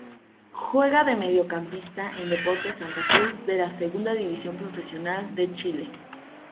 Juega de mediocampista en Deportes Santa Cruz de la Segunda División Profesional de Chile.